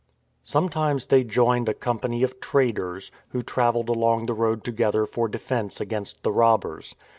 Sometimes they joined a company of traders, who FINDING A SON 167 travelled along the road together for defence against the robbers.